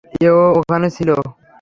এও ওখানে ছিলো।